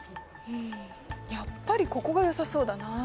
うんやっぱりここがよさそうだな。